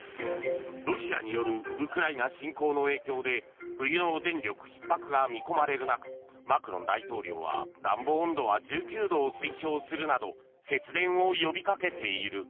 ロシアによるウクライナ侵攻の影響で冬の電力ひっ迫が見込まれる中マクロン大統領は暖房温度は１９度を推奨するなど節電を呼びかけている。